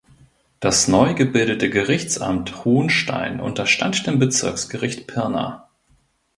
Das neu gebildete Gerichtsamt Hohnstein unterstand dem Bezirksgericht Pirna.